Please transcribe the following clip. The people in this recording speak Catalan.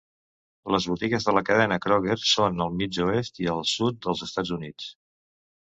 Les botigues de la cadena Kroger són al mig-oest i al sud dels Estats Units.